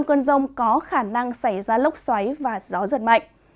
an rông có khả năng xảy ra lốc xoáy và gió giật mạnh